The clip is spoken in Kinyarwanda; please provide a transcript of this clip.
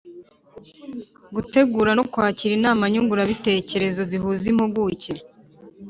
Gutegura no kwakira inama nyunguranabitekerezo zihuza impuguke